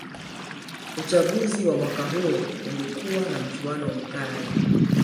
uchaguzi wa mwaka huo ulikuwa na mchuano mkali